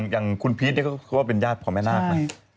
อย่างคุณพีชเนี่ยก็เป็นญาติของแม่นากนะ